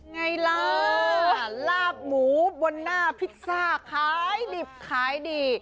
ไงล่ะลาบหมูบนหน้าพิซซ่าขายดิบขายดี